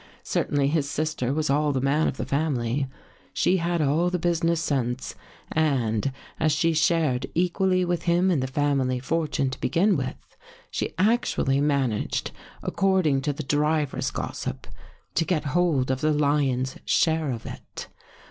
Certainly his sister was all the man of the family. She had all the business sense and, as she shared equally with him In the family fortune to begin with, she actually managed, ac cording to the driver's gossip, to get hold of the lion's share of It.